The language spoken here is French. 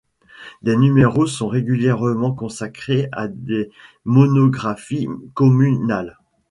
Des numéros sont régulièrement consacrés à des monographies communales.